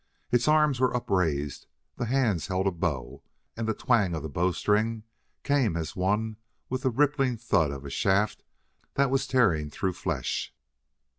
Its arms were upraised; the hands held a bow; and the twang of the bowstring came as one with the ripping thud of a shaft that was tearing through flesh.